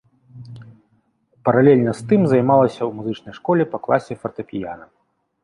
Паралельна з тым займалася ў музычнай школе па класе фартэпіяна.